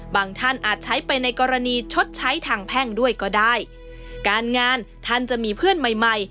ท่านอาจใช้ไปในกรณีชดใช้ทางแพ่งด้วยก็ได้การงานท่านจะมีเพื่อนใหม่ใหม่